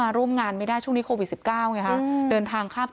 อารมณ์อารมณ์